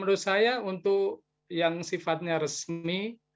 menurut saya untuk yang sifatnya resmi